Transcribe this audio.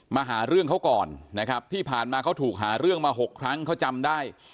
มาหาเรื่องเขาก่อนนะครับที่ผ่านมาเขาถูกหาเรื่องมา๖ครั้งเขาจำได้